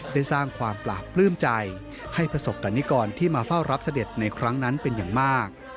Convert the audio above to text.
ได้สร้างความปราบปลื้มใจให้ประสบกรณิกรที่มาเฝ้ารับเสด็จในครั้งนั้นเป็นอย่างมาก